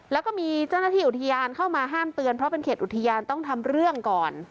แล้วก็มีเจ้าหน้าที่อุทยานเข้ามาห้ามเตือนเพราะเป็นเขตอุทยานต้องทำเรื่องก่อน